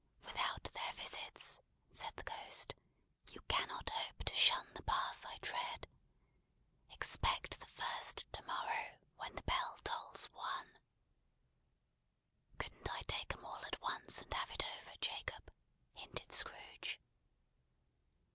"Without their visits," said the Ghost, "you cannot hope to shun the path I tread. Expect the first to morrow, when the bell tolls One." "Couldn't I take 'em all at once, and have it over, Jacob?" hinted Scrooge.